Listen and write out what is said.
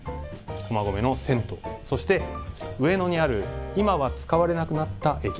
駒込の銭湯そして上野にある今は使われなくなった駅。